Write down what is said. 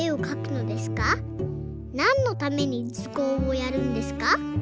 なんのためにずこうをやるんですか？」